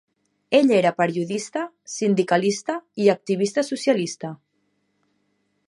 Ell era periodista, sindicalista i activista socialista.